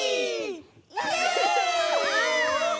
イエイ。